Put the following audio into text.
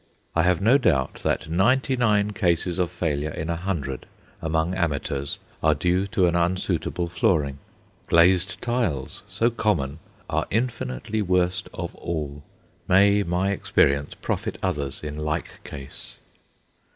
I have no doubt that ninety nine cases of failure in a hundred among amateurs are due to an unsuitable flooring. Glazed tiles, so common, are infinitely worst of all. May my experience profit others in like case!